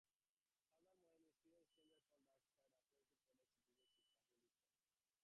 Furthermore, a mysterious stranger called Darkside appears to protect the citizens of Kabuki-cho.